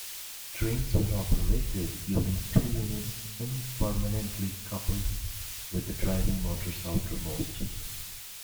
Trains were operated using two units semi-permanently coupled, with the driving motors outermost.